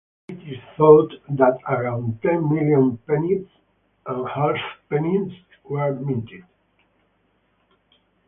It is thought that around ten million pennies and half pennies were minted.